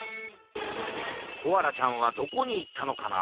コアラちゃんはどこにいったのかな？